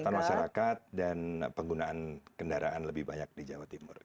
kesehatan masyarakat dan penggunaan kendaraan lebih banyak di jawa timur